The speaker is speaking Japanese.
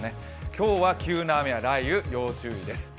今日は急な雨や雷雨、要注意です。